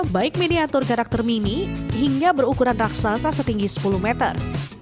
baik miniatur karakter mini hingga berukuran raksasa setinggi sepuluh meter